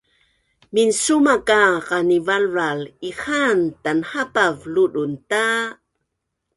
Minsuma ka qanivalval ihaan tanhapav ludun ta